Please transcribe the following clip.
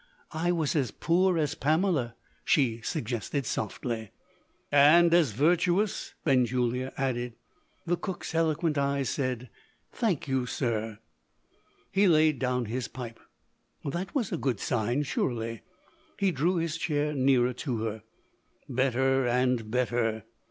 "I was as poor as Pamela," she suggested softly. "And as virtuous," Benjulia added. The cook's eloquent eyes said, "Thank you, sir." He laid down his pipe. That was a good sign, surely? He drew his chair nearer to her. Better and better!